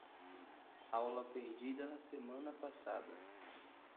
Aula perdida na semana passada